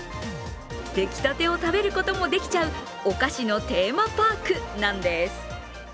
出来たてを食べることもできちゃうお菓子のテーマパークなんです。